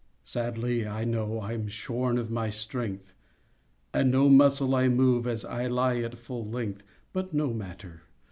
Sadly, I know I am shorn of my strength, And no muscle I move As I lie at full length— But no matter!